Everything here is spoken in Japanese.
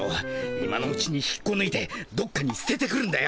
今のうちに引っこぬいてどっかにすててくるんだよ。